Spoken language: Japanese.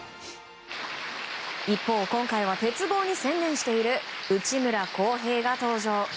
一方、今回は鉄棒に専念している内村航平が登場。